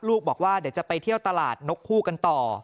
บอกว่าเดี๋ยวจะไปเที่ยวตลาดนกคู่กันต่อ